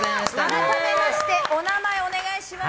改めましてお名前お願いします。